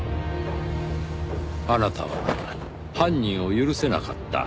あなたは犯人を許せなかった。